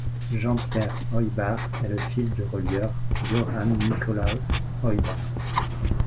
Jean Pierre Heubach est le fils du relieur Johann Nikolaus Heubach.